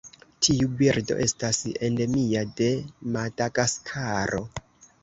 Tiu birdo estas endemia de Madagaskaro.